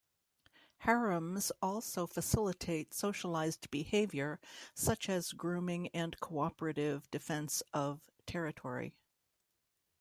Harems also facilitate socialized behavior such as grooming and cooperative defense of territory.